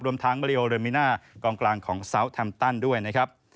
รวมทั้งมาริโอเรมิน่ากองกลางของซาวแทมตันด้วยนะครับ